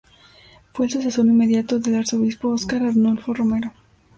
Fue el sucesor inmediato del arzobispo Óscar Arnulfo Romero.